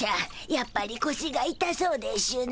やっぱりこしがいたそうでしゅな。